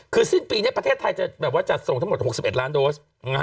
คือสิ้นปีนี้ประเทศไทยจะส่งทั้งหมด๖๑ล้านโดส